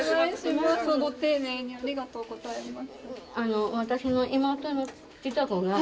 ご丁寧にありがとうございます。